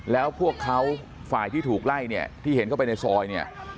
แล้วพวกเขาฝ่ายที่ถูกไล่เนี่ยที่เห็นเข้าไปในซอยเนี่ย